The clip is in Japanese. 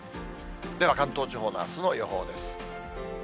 では関東地方のあすの予報です。